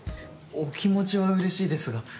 お気持ちは嬉しいですが。